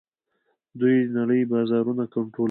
دوی د نړۍ بازارونه کنټرولوي.